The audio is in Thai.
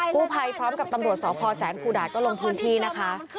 กู้ภัยพร้อมกับตำรวจสพแสนกูดาตก็ลงพื้นที่นะคะ